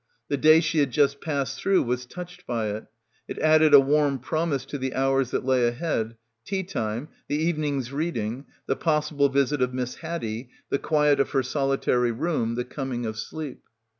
The day she had just passed through was touched by it; it added a warm promise to the hours that lay ahead — tea time, the evening's reading, the possible visit of Miss Haddie, the quiet of her solitary room, the coming of sleep.